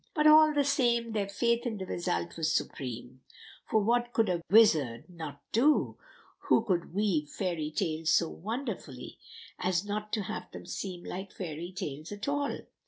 But, all the same, their faith in the result was supreme; for what could a wizard not do who could weave fairy tales so wonderfully as not to have them seem like fairy tales at all.